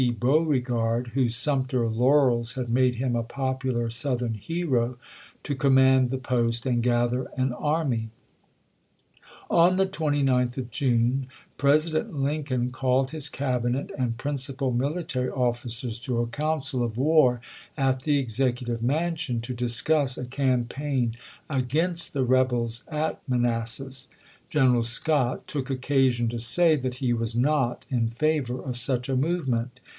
Beauregard, whose Sumter laurels had made him a popular Southern hero, to command the post and gather an army. 1861. On the 29th of June, President Lincoln called his Cabinet and principal military officers to a council THE ADVANCE 323 of war at the Executive Mansion to discuss a cam ch. xviii. paign against the rebels at Manassas. General Scott took occasion to say that he was not in favor of such a movement.